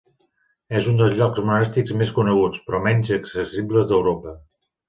És un dels llocs monàstics més coneguts, però menys accessibles d'Europa.